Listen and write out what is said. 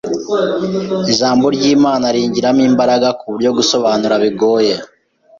ijambo ry’Imana ringiramo imbaraga kuburyo gusobanura bigoye.